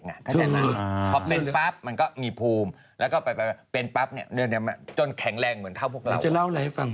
เพราะเป็นปั๊บมันก็มีภูมิแล้วก็ไปเป็นปั๊บเนื้อจนแข็งแรงเหมือนเท่าพวกเรา